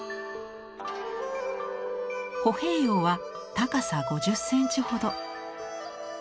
歩兵俑は高さ５０センチほど。